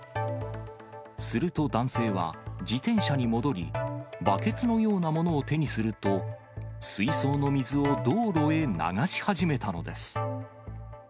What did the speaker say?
すると、男性は自転車に戻り、バケツのようなものを手にすると、水槽の水を道路へ流し始めたのです。